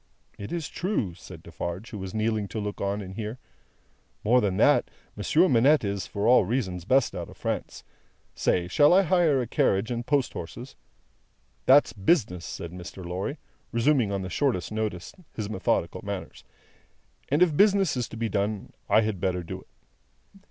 "It is true," said Defarge, who was kneeling to look on and hear. "More than that; Monsieur Manette is, for all reasons, best out of France. Say, shall I hire a carriage and post horses?" "That's business," said Mr. Lorry, resuming on the shortest notice his methodical manners; "and if business is to be done, I had better do it."